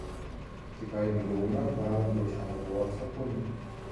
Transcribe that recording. Die beiden Dome waren durch ein Rohr verbunden.